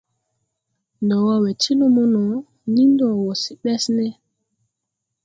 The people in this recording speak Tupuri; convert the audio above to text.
Ndɔ wɔ we ti lumo no, nii ndɔ wɔ se Ɓɛsne.